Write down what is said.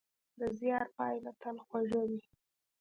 د زیار پایله تل خوږه وي.